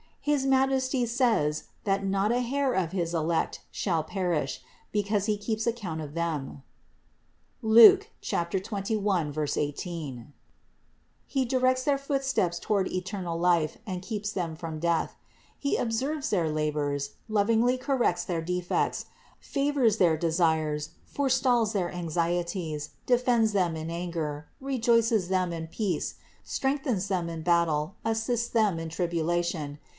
His Majesty says, that not a hair of his elect shall perish, because He keeps account of them (Luke 21, 18). He directs their footsteps toward eternal life and keeps them from death. He observes their labors, lovingly corrects their defects, favors their desires, forestalls their anxieties, defends them in anger, rejoices them in peace, strengthens them in battle, assists them in tribulation.